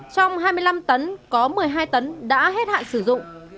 trong hai mươi năm tấn có một mươi hai tấn đã hết hạn sử dụng